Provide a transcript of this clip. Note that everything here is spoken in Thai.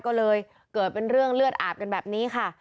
ก็เลยเกิดเป็นเรื่องเลือดอาบกันแบบนี้ค่ะ